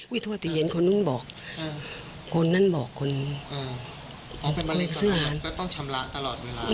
วิทยุติเย็นคนนั้นบอกคนนั้นบอกคนนั้นซื้ออาหาร